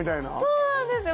そうなんです